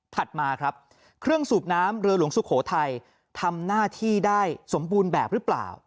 มาครับเครื่องสูบน้ำเรือหลวงสุโขทัยทำหน้าที่ได้สมบูรณ์แบบหรือเปล่า